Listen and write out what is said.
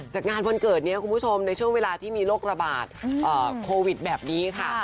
จากงานวันเกิดนี้คุณผู้ชมในช่วงเวลาที่มีโรคระบาดโควิดแบบนี้ค่ะ